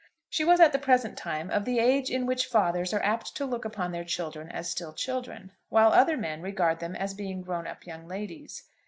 She was at the present time of the age in which fathers are apt to look upon their children as still children, while other men regard them as being grown up young ladies.